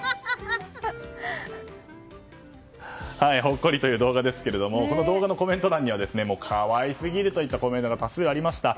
ほっこりという動画ですがこの動画のコメント欄には可愛すぎるといったコメントが多数ありました。